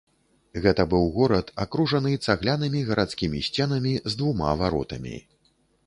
Гэта быў горад, акружаны цаглянымі гарадскімі сценамі з двума варотамі.